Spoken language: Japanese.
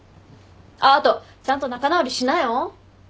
あっあとちゃんと仲直りしなよ。